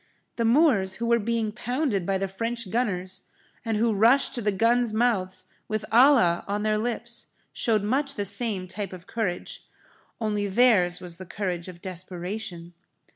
The Moors who were being pounded by the French gunners and who rushed to the guns' mouths with 'Allah' on their lips, showed much the same type of courage. Only theirs was the courage of desperation.